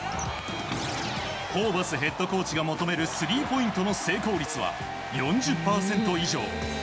ホーバスヘッドコーチが求めるスリーポイントの成功率は４０％以上。